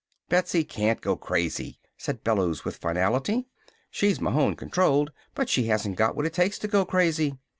"Betsy can't go crazy," said Bellews with finality. "She's Mahon controlled, but she hasn't got what it takes to go crazy.